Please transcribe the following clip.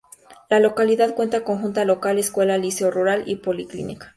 La localidad cuenta con junta local, escuela, liceo rural y policlínica.